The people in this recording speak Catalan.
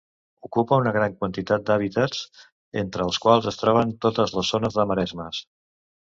Ocupa una gran quantitat d'hàbitats, entre els quals es troben totes les zones de maresmes.